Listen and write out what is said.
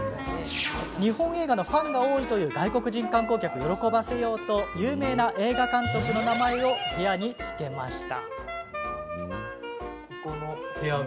日本映画のファンが多いという外国人観光客を喜ばせようと有名な映画監督の名前を部屋に付けました。